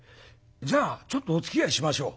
じゃあちょっとおつきあいしましょう」。